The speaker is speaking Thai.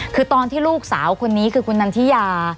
คือตอนที่ลูกสาวคนนี้คือคุณนันทิยา